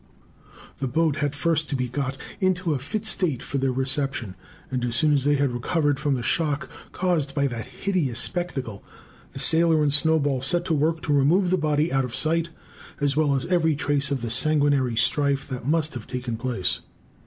The boat had first to be got into a fit state for their reception; and as soon as they had recovered from the shock caused by that hideous spectacle, the sailor and Snowball set to work to remove the body out of sight, as well as every trace of the sanguinary strife that must have taken place.